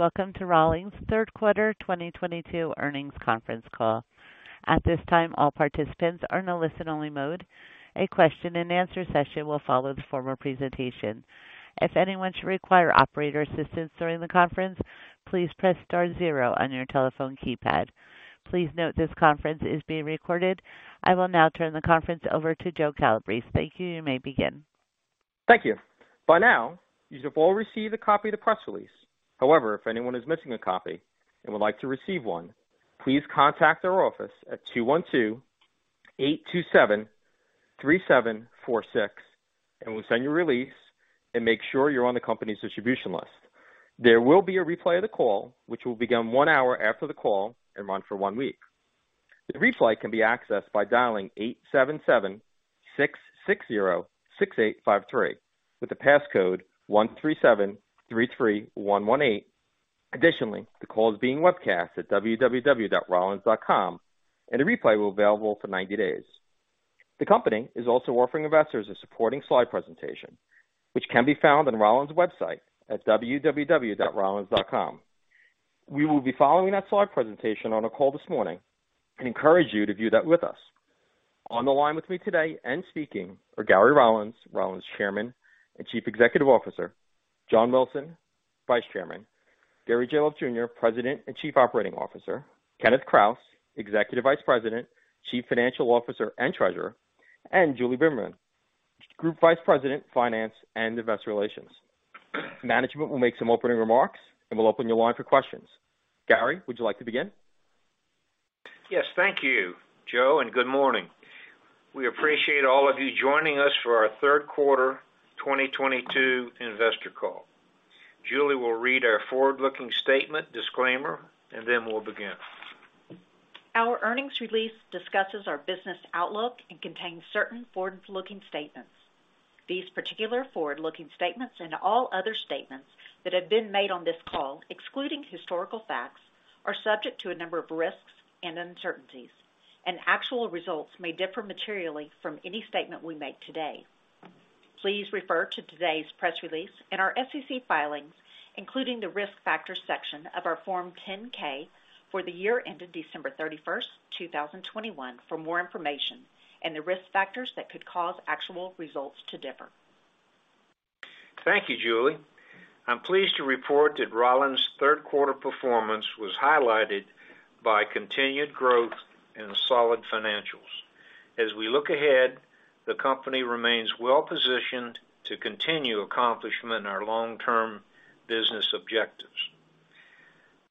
Welcome to Rollins' Third Quarter 2022 Earnings Conference Call. At this time, all participants are in a listen-only mode. A question-and-answer session will follow the formal presentation. If anyone should require operator assistance during the conference, please press star zero on your telephone keypad. Please note this conference is being recorded. I will now turn the conference over to Joe Calabrese. Thank you. You may begin. Thank you. By now, you should have all received a copy of the press release. However, if anyone is missing a copy and would like to receive one, please contact our office at 212-827-3746, and we'll send you a release and make sure you're on the company's distribution list. There will be a replay of the call, which will begin one hour after the call and run for one week. The replay can be accessed by dialing 877-660-6853 with the passcode 13733118. Additionally, the call is being webcast at www.rollins.com, and a replay will be available for 90 days. The company is also offering investors a supporting slide presentation, which can be found on Rollins' website at www.rollins.com. We will be following that slide presentation on our call this morning and encourage you to view that with us. On the line with me today and speaking are Gary Rollins' Chairman and Chief Executive Officer, John Wilson, Vice Chairman, Jerry Gahlhoff, Jr., President and Chief Operating Officer, Kenneth Krause, Executive Vice President, Chief Financial Officer, and Treasurer, and Julie Bimmerman, Group Vice President, Finance, and Investor Relations. Management will make some opening remarks, and we'll open the line for questions. Gary, would you like to begin? Yes. Thank you, Joe, and good morning. We appreciate all of you joining us for our Third Quarter 2022 Investor Call. Julie will read our forward-looking statement disclaimer, and then we'll begin. Our earnings release discusses our business outlook and contains certain forward-looking statements. These particular forward-looking statements and all other statements that have been made on this call, excluding historical facts, are subject to a number of risks and uncertainties, and actual results may differ materially from any statement we make today. Please refer to today's press release and our SEC filings, including the Risk Factors section of our Form 10-K for the year ended December 31, 2021, for more information and the risk factors that could cause actual results to differ. Thank you, Julie. I'm pleased to report that Rollins' third quarter performance was highlighted by continued growth and solid financials. As we look ahead, the company remains well positioned to continue accomplishing our long-term business objectives.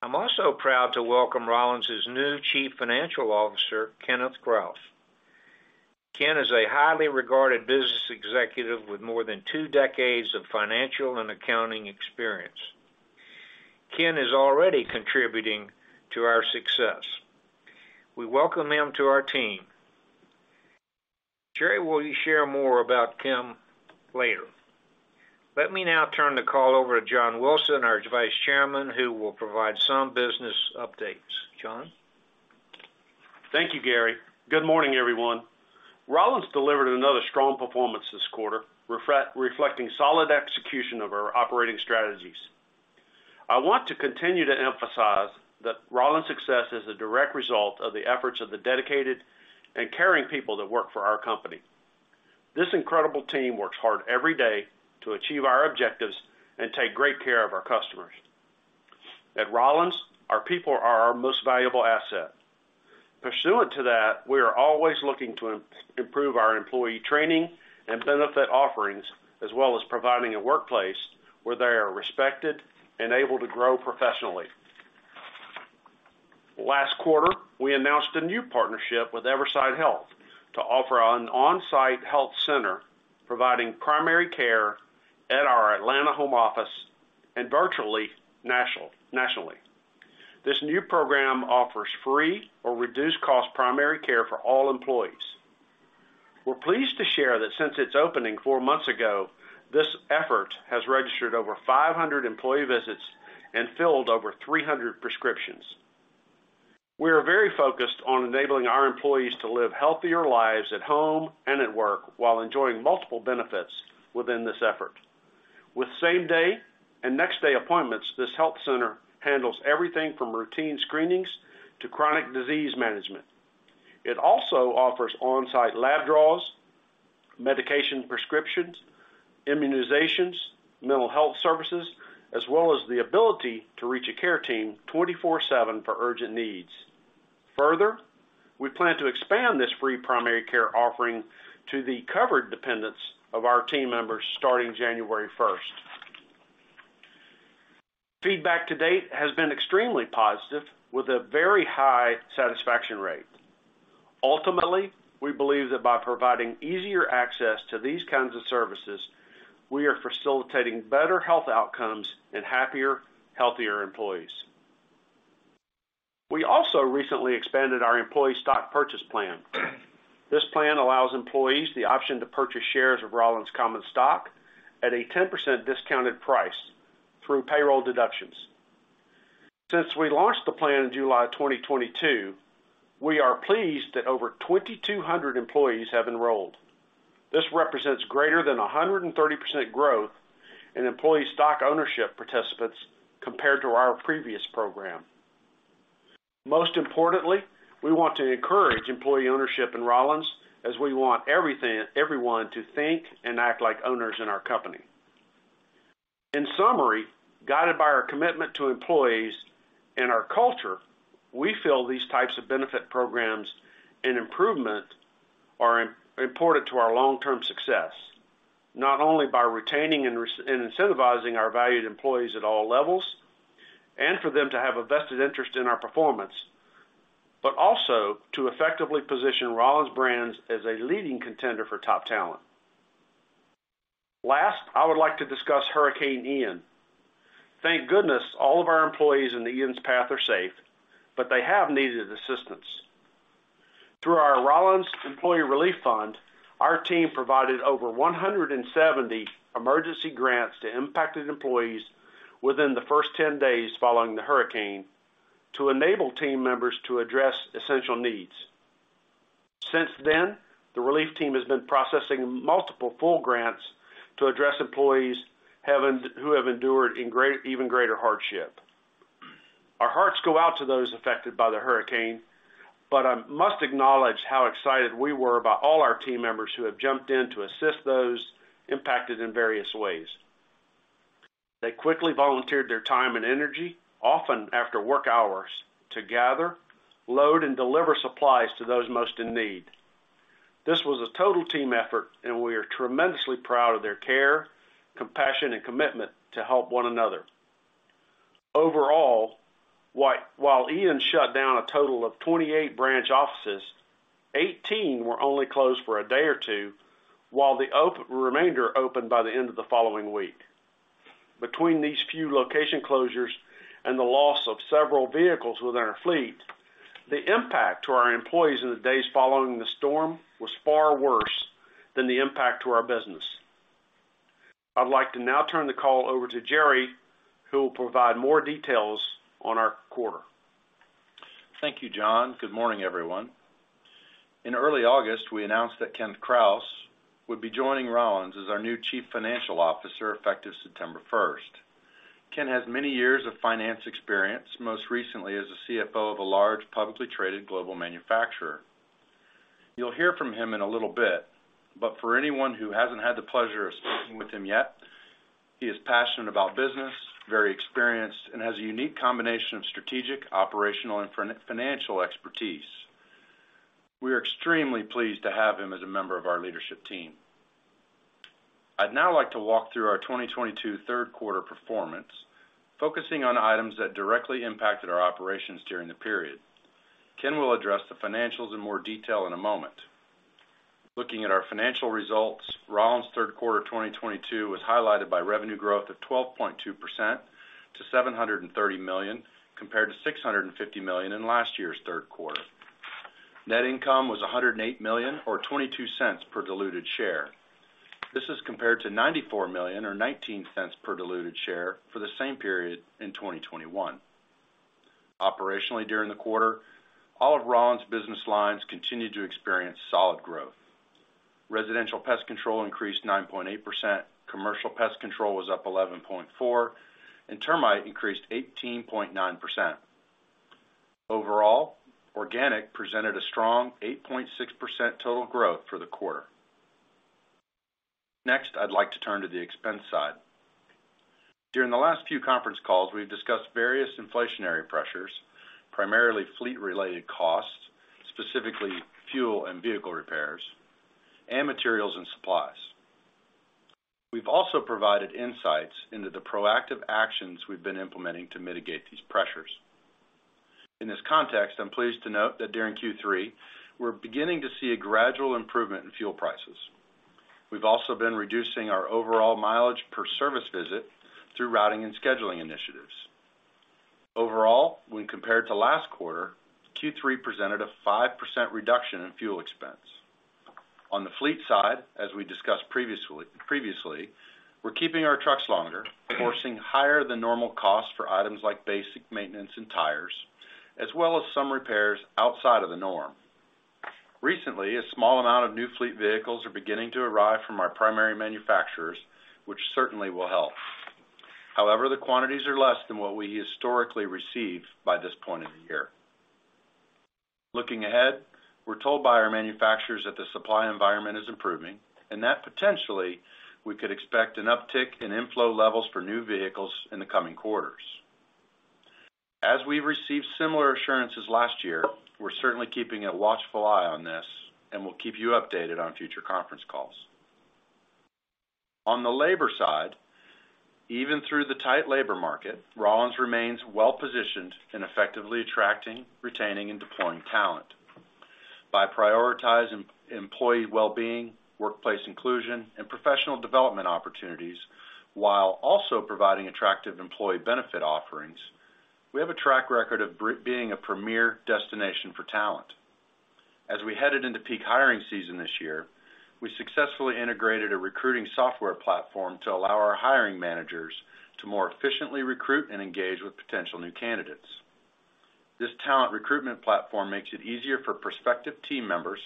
I'm also proud to welcome Rollins' new Chief Financial Officer, Kenneth Krause. Ken is a highly regarded business executive with more than two decades of financial and accounting experience. Ken is already contributing to our success. We welcome him to our team. Jerry will share more about Ken later. Let me now turn the call over to John Wilson, our Vice Chairman, who will provide some business updates. John? Thank you, Gary. Good morning, everyone. Rollins delivered another strong performance this quarter, reflecting solid execution of our operating strategies. I want to continue to emphasize that Rollins' success is a direct result of the efforts of the dedicated and caring people that work for our company. This incredible team works hard every day to achieve our objectives and take great care of our customers. At Rollins, our people are our most valuable asset. Pursuant to that, we are always looking to improve our employee training and benefit offerings, as well as providing a workplace where they are respected and able to grow professionally. Last quarter, we announced a new partnership with Everside Health to offer an on-site health center providing primary care at our Atlanta home office and virtually nationally. This new program offers free or reduced cost primary care for all employees. We're pleased to share that since its opening four months ago, this effort has registered over 500 employee visits and filled over 300 prescriptions. We are very focused on enabling our employees to live healthier lives at home and at work while enjoying multiple benefits within this effort. With same-day and next-day appointments, this health center handles everything from routine screenings to chronic disease management. It also offers on-site lab draws, medication prescriptions, immunizations, mental health services, as well as the ability to reach a care team 24/7 for urgent needs. Further, we plan to expand this free primary care offering to the covered dependents of our team members starting January first. Feedback to date has been extremely positive with a very high satisfaction rate. Ultimately, we believe that by providing easier access to these kinds of services, we are facilitating better health outcomes and happier, healthier employees. We also recently expanded our employee stock purchase plan. This plan allows employees the option to purchase shares of Rollins common stock at a 10% discounted price through payroll deductions. Since we launched the plan in July 2022, we are pleased that over 2,200 employees have enrolled. This represents greater than 130% growth in employee stock ownership participants compared to our previous program. Most importantly, we want to encourage employee ownership in Rollins as we want everyone to think and act like owners in our company. In summary, guided by our commitment to employees and our culture, we feel these types of benefit programs and improvement are important to our long-term success, not only by retaining and incentivizing our valued employees at all levels, and for them to have a vested interest in our performance, but also to effectively position Rollins Brands as a leading contender for top talent. Last, I would like to discuss Hurricane Ian. Thank goodness all of our employees in Ian's path are safe, but they have needed assistance. Through our Rollins Employee Relief Fund, our team provided over 170 emergency grants to impacted employees within the first 10 days following the hurricane to enable team members to address essential needs. Since then, the relief team has been processing multiple full grants to address employees who have endured even greater hardship. Our hearts go out to those affected by the hurricane, but I must acknowledge how excited we were about all our team members who have jumped in to assist those impacted in various ways. They quickly volunteered their time and energy, often after work hours, to gather, load, and deliver supplies to those most in need. This was a total team effort, and we are tremendously proud of their care, compassion, and commitment to help one another. Overall, while Ian shut down a total of 28 branch offices, 18 were only closed for a day or two, while the remainder opened by the end of the following week. Between these few location closures and the loss of several vehicles within our fleet, the impact to our employees in the days following the storm was far worse than the impact to our business. I'd like to now turn the call over to Jerry, who will provide more details on our quarter. Thank you, John. Good morning, everyone. In early August, we announced that Ken Krause would be joining Rollins as our new Chief Financial Officer, effective September first. Ken has many years of finance experience, most recently as a CFO of a large publicly traded global manufacturer. You'll hear from him in a little bit, but for anyone who hasn't had the pleasure of speaking with him yet, he is passionate about business, very experienced, and has a unique combination of strategic, operational, and financial expertise. We are extremely pleased to have him as a member of our leadership team. I'd now like to walk through our 2022 third quarter performance, focusing on items that directly impacted our operations during the period. Ken will address the financials in more detail in a moment. Looking at our financial results, Rollins' third quarter of 2022 was highlighted by revenue growth of 12.2% to $730 million, compared to $650 million in last year's third quarter. Net income was $108 million or $0.22 per diluted share. This is compared to $94 million or $0.19 per diluted share for the same period in 2021. Operationally during the quarter, all of Rollins business lines continued to experience solid growth. Residential pest control increased 9.8%. Commercial pest control was up 11.4%, and termite increased 18.9%. Overall, organic presented a strong 8.6% total growth for the quarter. Next, I'd like to turn to the expense side. During the last few conference calls, we've discussed various inflationary pressures, primarily fleet-related costs, specifically fuel and vehicle repairs, and materials and supplies. We've also provided insights into the proactive actions we've been implementing to mitigate these pressures. In this context, I'm pleased to note that during Q3, we're beginning to see a gradual improvement in fuel prices. We've also been reducing our overall mileage per service visit through routing and scheduling initiatives. Overall, when compared to last quarter, Q3 presented a 5% reduction in fuel expense. On the fleet side, as we discussed previously, we're keeping our trucks longer, forcing higher than normal costs for items like basic maintenance and tires, as well as some repairs outside of the norm. Recently, a small amount of new fleet vehicles are beginning to arrive from our primary manufacturers, which certainly will help. However, the quantities are less than what we historically receive by this point in the year. Looking ahead, we're told by our manufacturers that the supply environment is improving, and that potentially we could expect an uptick in inflow levels for new vehicles in the coming quarters. As we received similar assurances last year, we're certainly keeping a watchful eye on this, and we'll keep you updated on future conference calls. On the labor side, even through the tight labor market, Rollins remains well-positioned in effectively attracting, retaining, and deploying talent. By prioritizing employee well-being, workplace inclusion, and professional development opportunities while also providing attractive employee benefit offerings, we have a track record of being a premier destination for talent. As we headed into peak hiring season this year, we successfully integrated a recruiting software platform to allow our hiring managers to more efficiently recruit and engage with potential new candidates. This talent recruitment platform makes it easier for prospective team members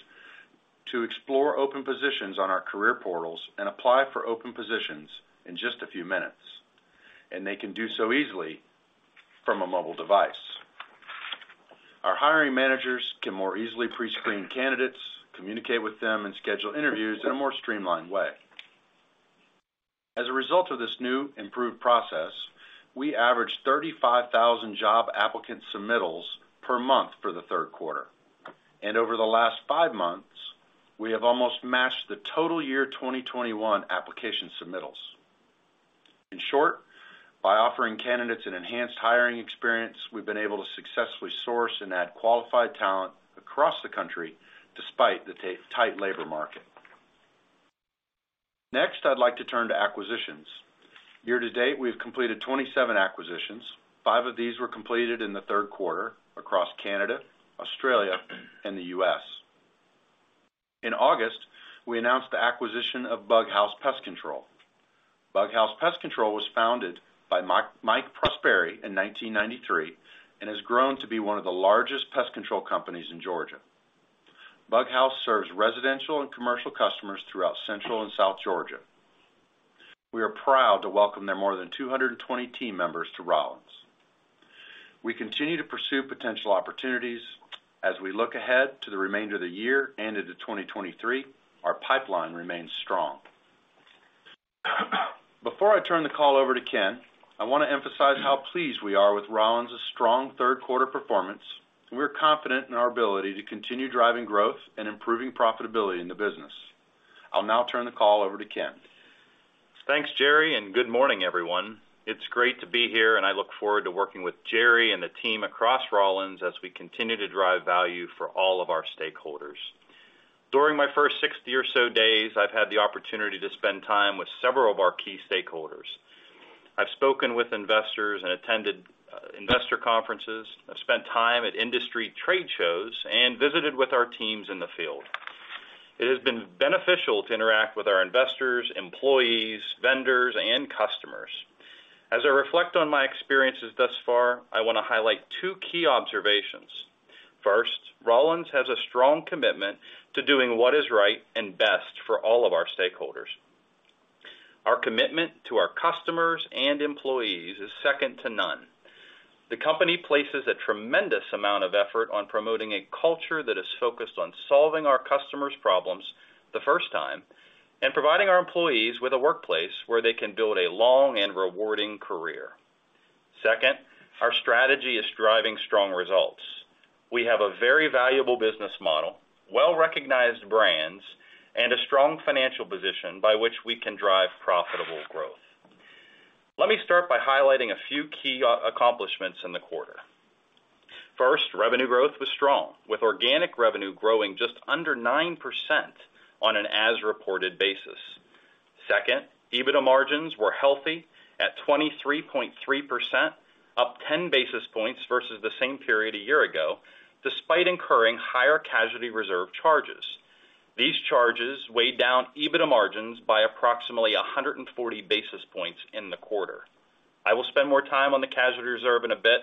to explore open positions on our career portals and apply for open positions in just a few minutes, and they can do so easily from a mobile device. Our hiring managers can more easily pre-screen candidates, communicate with them, and schedule interviews in a more streamlined way. As a result of this new improved process, we averaged 35,000 job applicant submittals per month for the third quarter. Over the last five months, we have almost matched the total year 2021 application submittals. In short, by offering candidates an enhanced hiring experience, we've been able to successfully source and add qualified talent across the country despite the tight labor market. Next, I'd like to turn to acquisitions. Year to date, we have completed 27 acquisitions. Five of these were completed in the third quarter across Canada, Australia, and the U.S. In August, we announced the acquisition of Bug House Pest Control. Bug House Pest Control was founded by Mike Prosperi in 1993 and has grown to be one of the largest pest control companies in Georgia. Bug House serves residential and commercial customers throughout Central and South Georgia. We are proud to welcome their more than 220 team members to Rollins. We continue to pursue potential opportunities. As we look ahead to the remainder of the year and into 2023, our pipeline remains strong. Before I turn the call over to Ken, I wanna emphasize how pleased we are with Rollins' strong third quarter performance, and we're confident in our ability to continue driving growth and improving profitability in the business. I'll now turn the call over to Ken. Thanks, Jerry, and good morning, everyone. It's great to be here, and I look forward to working with Jerry and the team across Rollins as we continue to drive value for all of our stakeholders. During my first 60 or so days, I've had the opportunity to spend time with several of our key stakeholders. I've spoken with investors and attended investor conferences. I've spent time at industry trade shows and visited with our teams in the field. It has been beneficial to interact with our investors, employees, vendors, and customers. As I reflect on my experiences thus far, I wanna highlight two key observations. First, Rollins has a strong commitment to doing what is right and best for all of our stakeholders. Our commitment to our customers and employees is second to none. The company places a tremendous amount of effort on promoting a culture that is focused on solving our customers' problems the first time and providing our employees with a workplace where they can build a long and rewarding career. Second, our strategy is driving strong results. We have a very valuable business model, well-recognized brands, and a strong financial position by which we can drive profitable growth. Let me start by highlighting a few key accomplishments in the quarter. First, revenue growth was strong, with organic revenue growing just under 9% on an as-reported basis. Second, EBITDA margins were healthy at 23.3%, up 10 basis points versus the same period a year ago, despite incurring higher casualty reserve charges. These charges weighed down EBITDA margins by approximately 140 basis points in the quarter. I will spend more time on the casualty reserve in a bit,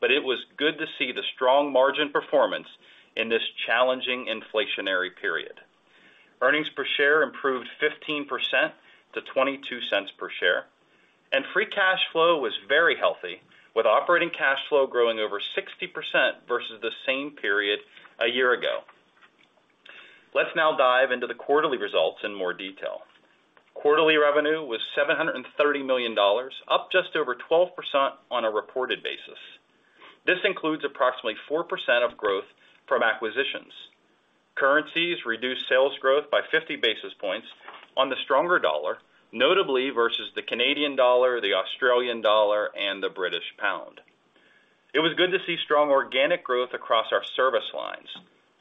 but it was good to see the strong margin performance in this challenging inflationary period. Earnings per share improved 15% to $0.22 per share. Free cash flow was very healthy, with operating cash flow growing over 60% versus the same period a year ago. Let's now dive into the quarterly results in more detail. Quarterly revenue was $730 million, up just over 12% on a reported basis. This includes approximately 4% of growth from acquisitions. Currencies reduced sales growth by 50 basis points on the stronger dollar, notably versus the Canadian dollar, the Australian dollar, and the British pound. It was good to see strong organic growth across our service lines.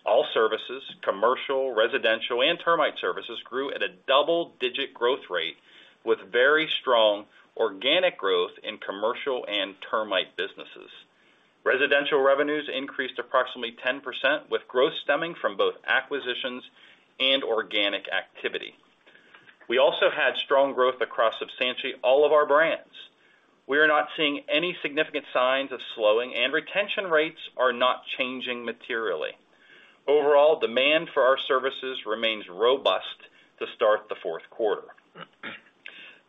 All services, commercial, residential, and termite services grew at a double-digit growth rate with very strong organic growth in commercial and termite businesses. Residential revenues increased approximately 10%, with growth stemming from both acquisitions and organic activity. We also had strong growth across substantially all of our brands. We are not seeing any significant signs of slowing, and retention rates are not changing materially. Overall, demand for our services remains robust to start the fourth quarter.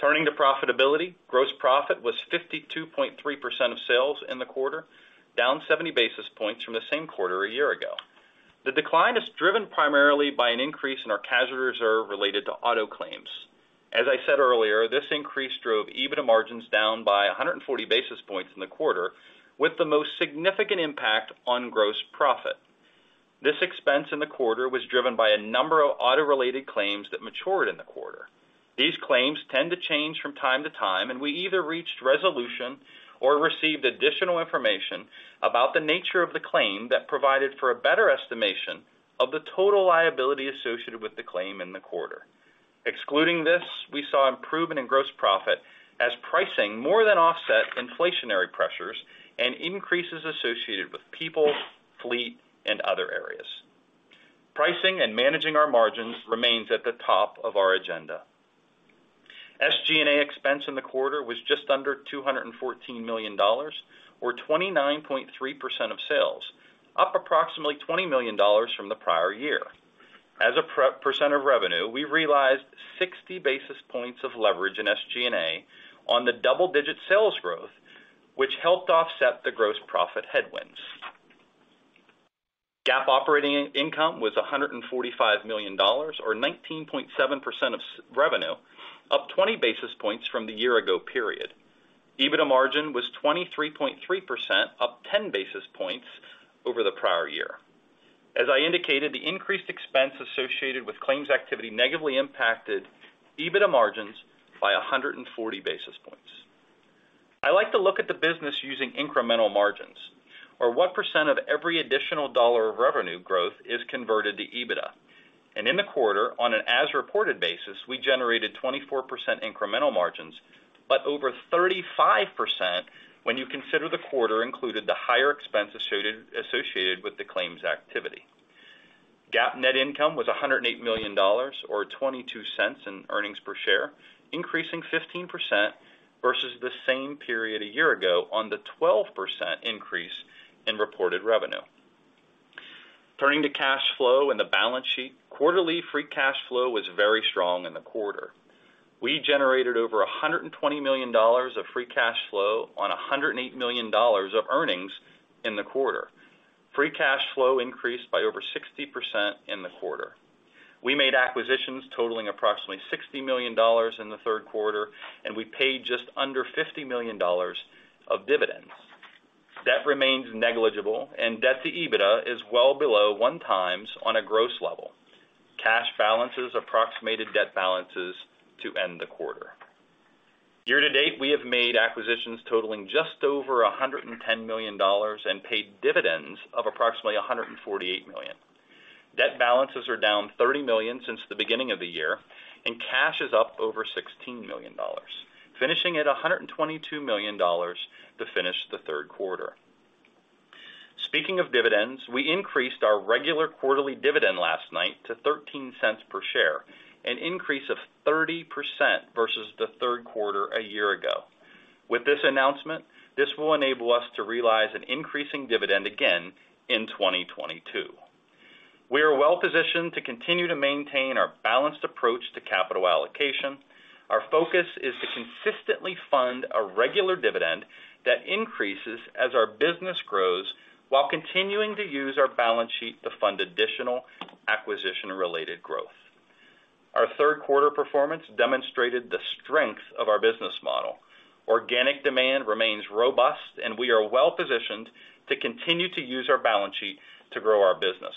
Turning to profitability, gross profit was 52.3% of sales in the quarter, down 70 basis points from the same quarter a year ago. The decline is driven primarily by an increase in our casualty reserve related to auto claims. As I said earlier, this increase drove EBITDA margins down by 140 basis points in the quarter, with the most significant impact on gross profit. This expense in the quarter was driven by a number of auto-related claims that matured in the quarter. These claims tend to change from time to time, and we either reached resolution or received additional information about the nature of the claim that provided for a better estimation of the total liability associated with the claim in the quarter. Excluding this, we saw improvement in gross profit as pricing more than offset inflationary pressures and increases associated with people. Pricing and managing our margins remains at the top of our agenda. SG&A expense in the quarter was just under $214 million or 29.3% of sales, up approximately $20 million from the prior year. As a percent of revenue, we realized 60 basis points of leverage in SG&A on the double-digit sales growth, which helped offset the gross profit headwinds. GAAP operating income was $145 million or 19.7% of revenue, up 20 basis points from the year ago period. EBITDA margin was 23.3%, up 10 basis points over the prior year. As I indicated, the increased expense associated with claims activity negatively impacted EBITDA margins by 140 basis points. I like to look at the business using incremental margins or what percent of every additional dollar of revenue growth is converted to EBITDA. In the quarter, on an as-reported basis, we generated 24% incremental margins, but over 35% when you consider the quarter included the higher expenses associated with the claims activity. GAAP net income was $108 million or $0.22 in earnings per share, increasing 15% versus the same period a year ago on the 12% increase in reported revenue. Turning to cash flow and the balance sheet, quarterly free cash flow was very strong in the quarter. We generated over $120 million of free cash flow on $108 million of earnings in the quarter. Free cash flow increased by over 60% in the quarter. We made acquisitions totaling approximately $60 million in the third quarter, and we paid just under $50 million of dividends. Debt remains negligible and debt to EBITDA is well below 1x on a gross level. Cash balances approximated debt balances to end the quarter. Year to date, we have made acquisitions totaling just over $110 million and paid dividends of approximately $148 million. Debt balances are down $30 million since the beginning of the year, and cash is up over $16 million, finishing at $122 million to finish the third quarter. Speaking of dividends, we increased our regular quarterly dividend last night to $0.13 per share, an increase of 30% versus the third quarter a year ago. With this announcement, this will enable us to realize an increasing dividend again in 2022. We are well positioned to continue to maintain our balanced approach to capital allocation. Our focus is to consistently fund a regular dividend that increases as our business grows while continuing to use our balance sheet to fund additional acquisition-related growth. Our third quarter performance demonstrated the strength of our business model. Organic demand remains robust, and we are well positioned to continue to use our balance sheet to grow our business.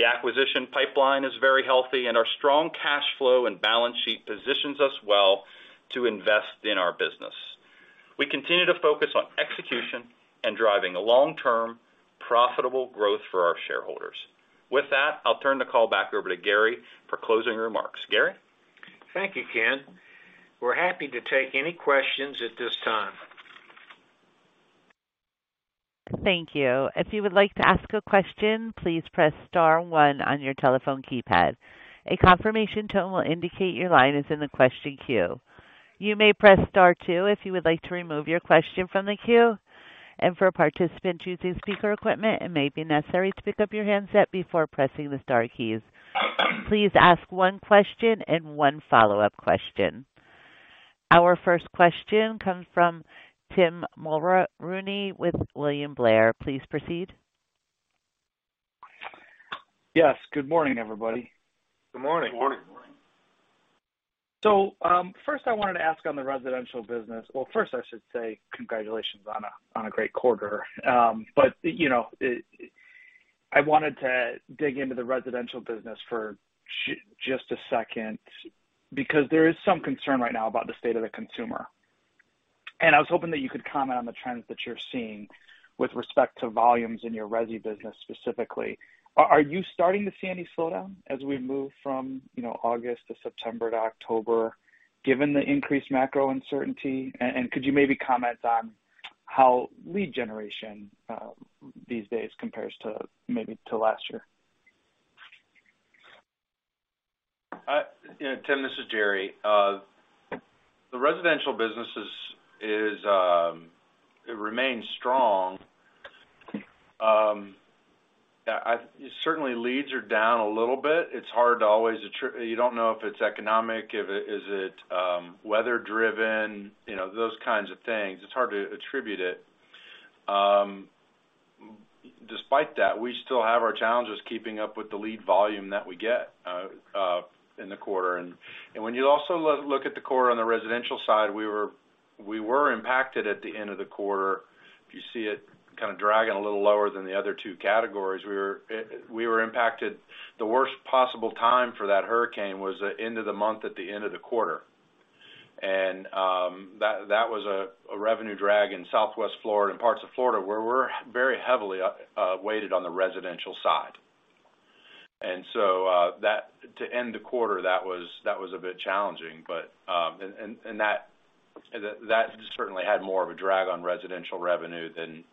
The acquisition pipeline is very healthy and our strong cash flow and balance sheet positions us well to invest in our business. We continue to focus on execution and driving a long-term profitable growth for our shareholders. With that, I'll turn the call back over to Gary for closing remarks. Gary? Thank you, Ken. We're happy to take any questions at this time. Thank you. If you would like to ask a question, please press star one on your telephone keypad. A confirmation tone will indicate your line is in the question queue. You may press star two if you would like to remove your question from the queue. For a participant using speaker equipment, it may be necessary to pick up your handset before pressing the star keys. Please ask one question and one follow-up question. Our first question comes from Tim Mulrooney with William Blair. Please proceed. Yes, good morning, everybody. Good morning. Good morning. First I wanted to ask on the residential business. First I should say congratulations on a great quarter. I wanted to dig into the residential business for just a second because there is some concern right now about the state of the consumer. I was hoping that you could comment on the trends that you're seeing with respect to volumes in your resi business, specifically. Are you starting to see any slowdown as we move from August to September to October, given the increased macro uncertainty? And could you maybe comment on how lead generation these days compares to maybe last year? Tim, this is Jerry. The residential business is it remains strong. I certainly leads are down a little bit. It's hard to always attribute. You don't know if it's economic, if it's weather driven, you know, those kinds of things. It's hard to attribute it. Despite that, we still have our challenges keeping up with the lead volume that we get in the quarter. When you also look at the quarter on the residential side, we were impacted at the end of the quarter. You see it kind of dragging a little lower than the other two categories. We were impacted. The worst possible time for that hurricane was the end of the month at the end of the quarter. That was a revenue drag in Southwest Florida and parts of Florida, where we're very heavily weighted on the residential side. To end the quarter, that was a bit challenging, but that certainly had more of a drag on residential revenue than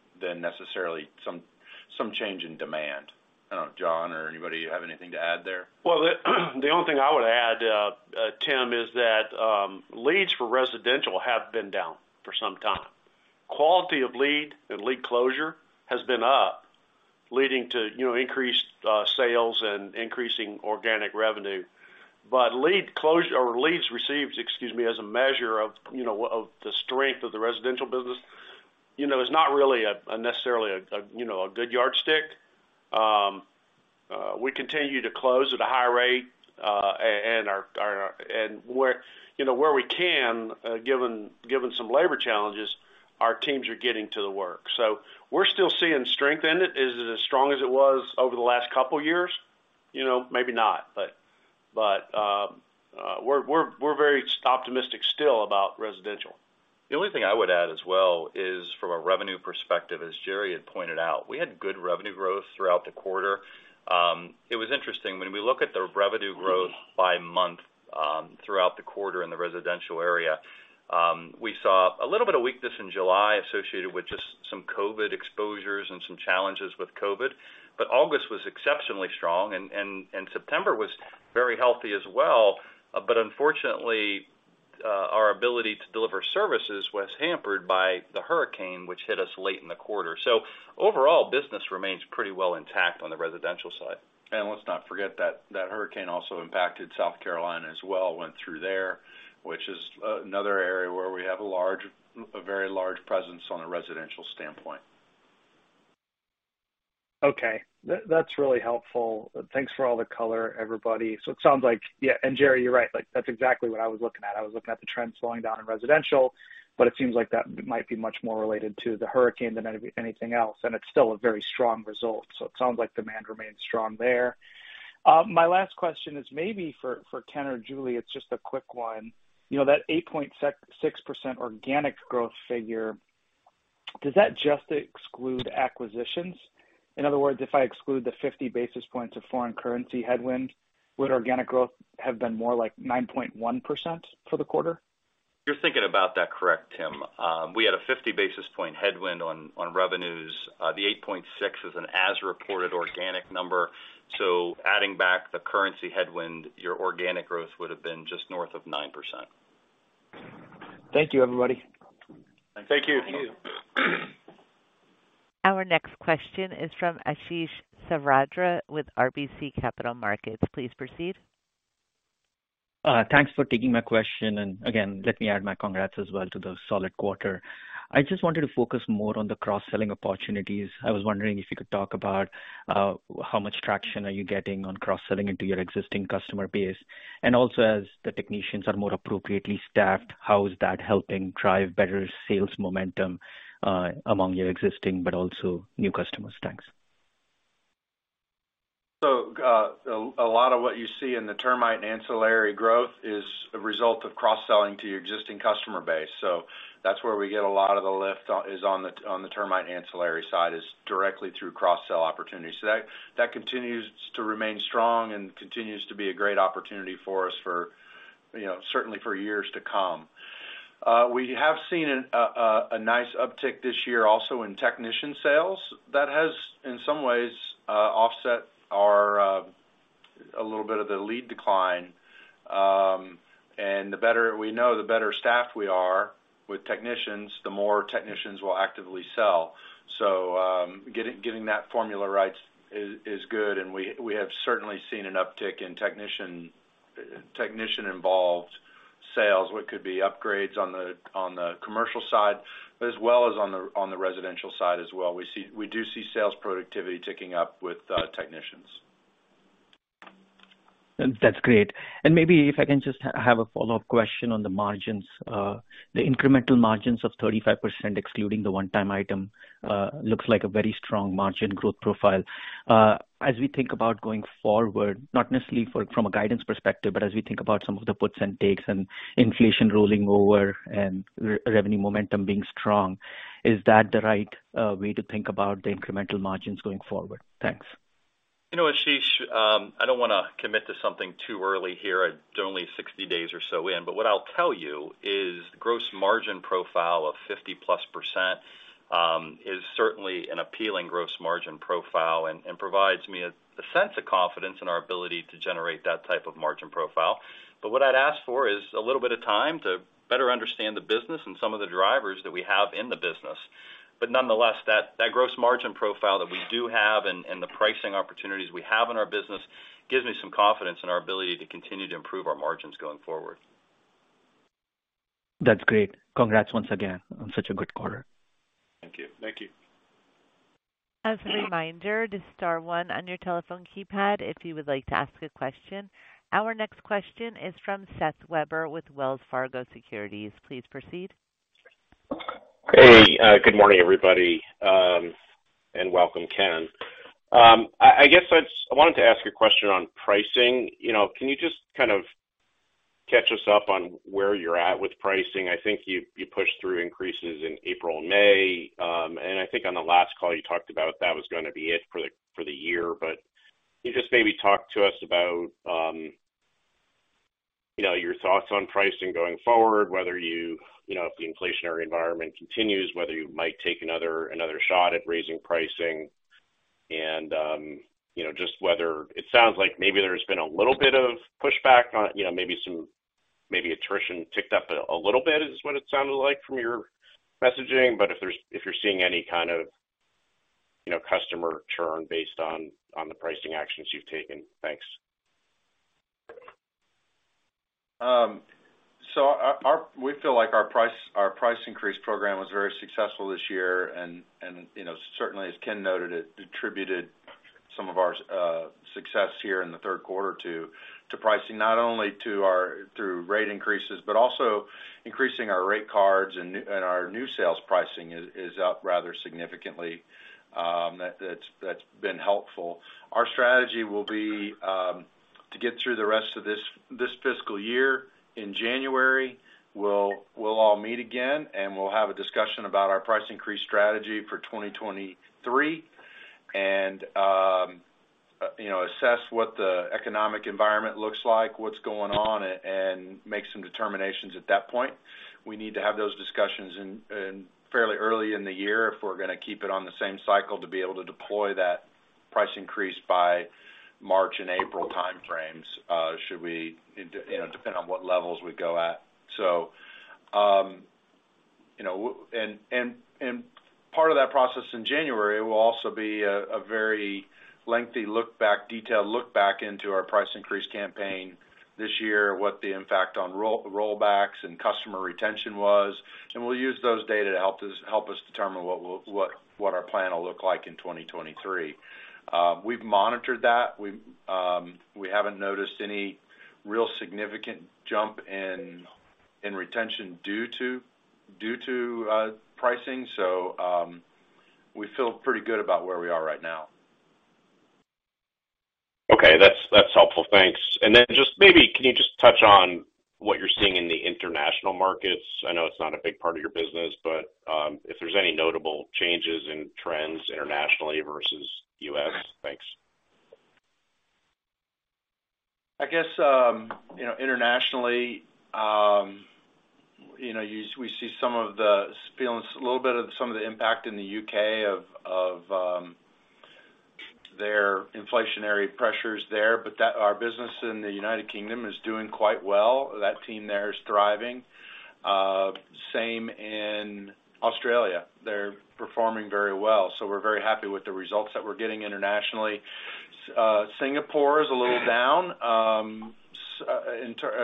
necessarily some change in demand. I don't know, John or anybody, you have anything to add there? Well, the only thing I would add, Tim, is that leads for residential have been down for some time. Quality of lead and lead closure has been up, leading to, you know, increased sales and increasing organic revenue. Leads received, excuse me, as a measure of, you know, of the strength of the residential business, you know, is not really necessarily a you know a good yardstick. We continue to close at a high rate, and where, you know, we can, given some labor challenges, our teams are getting to the work. We're still seeing strength in it. Is it as strong as it was over the last couple years? You know, maybe not. We're very optimistic still about residential. The only thing I would add as well is from a revenue perspective, as Jerry had pointed out, we had good revenue growth throughout the quarter. It was interesting. When we look at the revenue growth by month, throughout the quarter in the residential area, we saw a little bit of weakness in July associated with just some COVID exposures and some challenges with COVID. But August was exceptionally strong and September was very healthy as well. But unfortunately, our ability to deliver services was hampered by the hurricane, which hit us late in the quarter. Overall, business remains pretty well intact on the residential side. Let's not forget that hurricane also impacted South Carolina as well, went through there, which is another area where we have a very large presence on a residential standpoint. Okay. That's really helpful. Thanks for all the color, everybody. It sounds like, yeah, and Jerry, you're right. Like, that's exactly what I was looking at. I was looking at the trends slowing down in residential, but it seems like that might be much more related to the hurricane than anything else, and it's still a very strong result. It sounds like demand remains strong there. My last question is maybe for Ken or Julie, it's just a quick one. You know, that 8.6% organic growth figure, does that just exclude acquisitions? In other words, if I exclude the 50 basis points of foreign currency headwind, would organic growth have been more like 9.1% for the quarter? You're thinking about that correctly, Tim. We had a 50 basis point headwind on revenues. The 8.6 is an as-reported organic number. Adding back the currency headwind, your organic growth would have been just north of 9%. Thank you, everybody. Thank you. Thank you. Our next question is from Ashish Sabadra with RBC Capital Markets. Please proceed. Thanks for taking my question. Again, let me add my congrats as well to the solid quarter. I just wanted to focus more on the cross-selling opportunities. I was wondering if you could talk about, how much traction are you getting on cross-selling into your existing customer base. As the technicians are more appropriately staffed, how is that helping drive better sales momentum, among your existing but also new customers? Thanks. A lot of what you see in the termite and ancillary growth is a result of cross-selling to your existing customer base. That's where we get a lot of the lift on the termite ancillary side, directly through cross-sell opportunities. That continues to remain strong and continues to be a great opportunity for us, you know, certainly for years to come. We have seen a nice uptick this year also in technician sales. That has, in some ways, offset our a little bit of the lead decline. The better we know, the better staffed we are with technicians, the more technicians will actively sell. Getting that formula right is good, and we have certainly seen an uptick in technician-involved sales, what could be upgrades on the commercial side, but as well as on the residential side as well. We do see sales productivity ticking up with technicians. That's great. Maybe if I can just have a follow-up question on the margins. The incremental margins of 35%, excluding the one-time item, looks like a very strong margin growth profile. As we think about going forward, not necessarily from a guidance perspective, but as we think about some of the puts and takes and inflation rolling over and revenue momentum being strong, is that the right way to think about the incremental margins going forward? Thanks. You know, Ashish, I don't wanna commit to something too early here. It's only 60 days or so in. What I'll tell you is gross margin profile of 50%+, is certainly an appealing gross margin profile and provides me a sense of confidence in our ability to generate that type of margin profile. What I'd ask for is a little bit of time to better understand the business and some of the drivers that we have in the business. Nonetheless, that gross margin profile that we do have and the pricing opportunities we have in our business gives me some confidence in our ability to continue to improve our margins going forward. That's great. Congrats once again on such a good quarter. Thank you. Thank you. As a reminder, just star one on your telephone keypad if you would like to ask a question. Our next question is from Seth Weber with Wells Fargo Securities. Please proceed. Hey, good morning, everybody, and welcome, Ken. I guess I just wanted to ask a question on pricing. You know, can you just kind of catch us up on where you're at with pricing. I think you pushed through increases in April and May. I think on the last call you talked about that was gonna be it for the year. Can you just maybe talk to us about your thoughts on pricing going forward, whether you know, if the inflationary environment continues, whether you might take another shot at raising pricing and you know, just whether it sounds like maybe there's been a little bit of pushback on you know, maybe attrition ticked up a little bit, is what it sounded like from your messaging. If you're seeing any kind of, you know, customer churn based on the pricing actions you've taken? Thanks. We feel like our price increase program was very successful this year and, you know, certainly, as Ken noted, it attributed some of our success here in the third quarter to pricing, not only through rate increases, but also increasing our rate cards and our new sales pricing is up rather significantly. That's been helpful. Our strategy will be to get through the rest of this fiscal year. In January, we'll all meet again, and we'll have a discussion about our price increase strategy for 2023 and, you know, assess what the economic environment looks like, what's going on, and make some determinations at that point. We need to have those discussions in fairly early in the year if we're gonna keep it on the same cycle to be able to deploy that price increase by March and April timeframes. You know, depending on what levels we go at. Part of that process in January will also be a very lengthy look back, detailed look back into our price increase campaign this year, what the impact on rollbacks and customer retention was. We'll use those data to help us determine what our plan will look like in 2023. We've monitored that. We haven't noticed any real significant jump in retention due to pricing, so we feel pretty good about where we are right now. Okay. That's helpful. Thanks. Then just maybe can you just touch on what you're seeing in the international markets? I know it's not a big part of your business, but if there's any notable changes in trends internationally versus U.S. Thanks. I guess, you know, internationally, you know, we see some of the feelings, a little bit of some of the impact in the UK of their inflationary pressures there. Our business in the United Kingdom is doing quite well. That team there is thriving. Same in Australia. They're performing very well. We're very happy with the results that we're getting internationally. Singapore is a little down.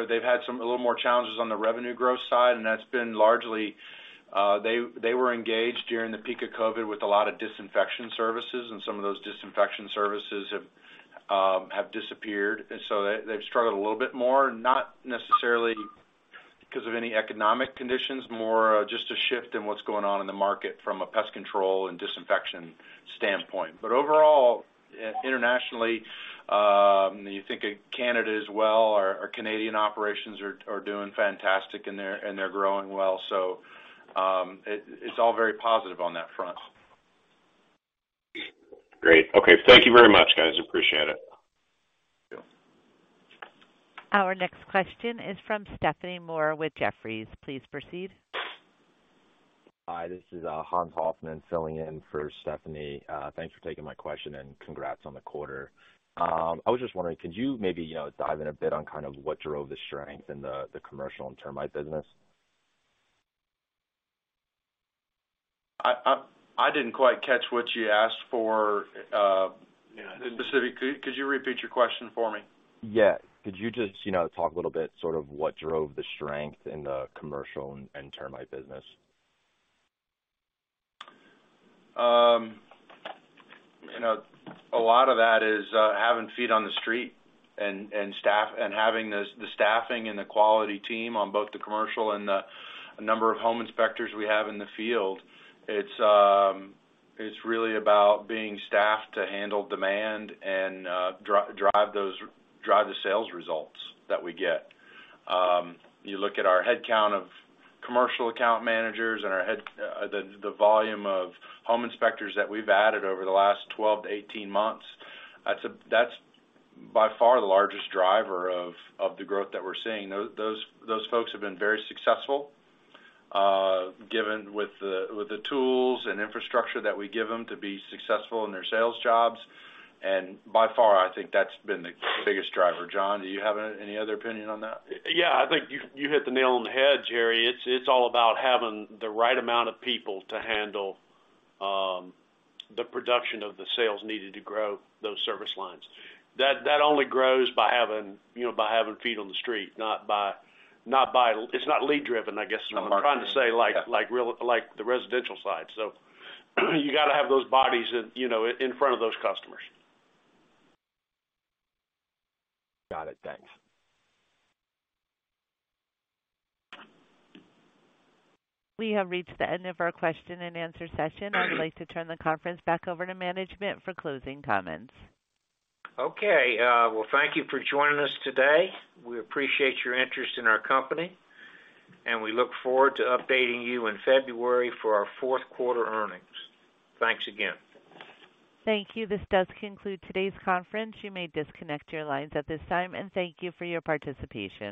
They've had some, a little more challenges on the revenue growth side, and that's been largely, they were engaged during the peak of COVID with a lot of disinfection services, and some of those disinfection services have disappeared. They've struggled a little bit more, not necessarily 'cause of any economic conditions, more just a shift in what's going on in the market from a pest control and disinfection standpoint. Overall, internationally, you think of Canada as well, our Canadian operations are doing fantastic, and they're growing well. It's all very positive on that front. Great. Okay. Thank you very much, guys. Appreciate it. Our next question is from Stephanie Moore with Jefferies. Please proceed. Hi, this is Hans Hoffman filling in for Stephanie. Thanks for taking my question, and congrats on the quarter. I was just wondering, could you maybe, you know, dive in a bit on kind of what drove the strength in the commercial and termite business? I didn't quite catch what you asked for, you know, specific. Could you repeat your question for me? Yeah. Could you just, you know, talk a little bit sort of what drove the strength in the commercial and termite business? You know, a lot of that is having feet on the street and staff, and having the staffing and the quality team on both the commercial and the number of home inspectors we have in the field. It's really about being staffed to handle demand and drive the sales results that we get. You look at our headcount of commercial account managers and the volume of home inspectors that we've added over the last 12-18 months, that's by far the largest driver of the growth that we're seeing. Those folks have been very successful, given the tools and infrastructure that we give them to be successful in their sales jobs. By far, I think that's been the biggest driver. John, do you have any other opinion on that? Yeah. I think you hit the nail on the head, Jerry. It's all about having the right amount of people to handle the production of the sales needed to grow those service lines. That only grows by having, you know, by having feet on the street, not by. It's not lead driven, I guess, is what I'm trying to say. The market. Yeah. Like the residential side. You gotta have those bodies in, you know, in front of those customers. Got it. Thanks. We have reached the end of our question and answer session. I'd like to turn the conference back over to management for closing comments. Okay. Well, thank you for joining us today. We appreciate your interest in our company, and we look forward to updating you in February for our fourth quarter earnings. Thanks again. Thank you. This does conclude today's conference. You may disconnect your lines at this time, and thank you for your participation.